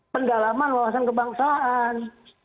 pendalaman wawasan kebangsaan